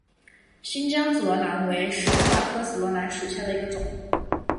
新疆紫罗兰为十字花科紫罗兰属下的一个种。